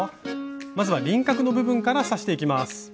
まずは輪郭の部分から刺していきます。